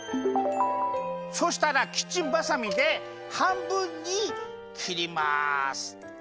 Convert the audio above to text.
そうしたらキッチンバサミではんぶんにきります！